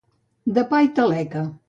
De pa i taleca.